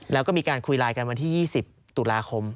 แล้วก็มีการคุยไลน์กันวันที่๒๐ตุลาคม